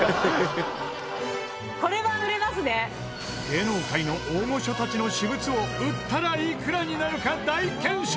芸能界の大御所たちの私物を売ったらいくらになるか大検証！